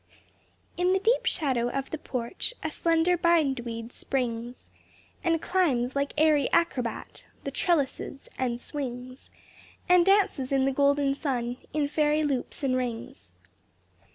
In the deep shadow of the porch A slender bind weed springs, And climbs, like airy acrobat, The trellises, and swings And dances in the golden sun In fairy loops and rings.